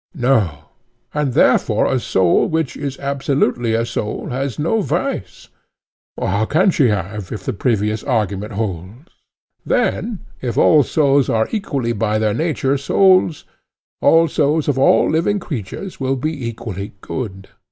No. And therefore a soul which is absolutely a soul has no vice? How can she have, if the previous argument holds? Then, if all souls are equally by their nature souls, all souls of all living creatures will be equally good?